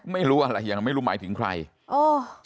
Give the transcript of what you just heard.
ไม่รู้อะไรยังไงไม่รู้หมายถึงใครโอ้